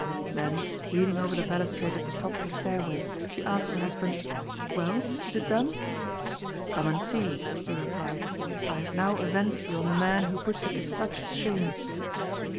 Then, leaning over the balustrade at the top of the stairway, she asked her husband "Well, is it done?" "Come and see," he replied. "I have now avenged you on the man who put you to such shame."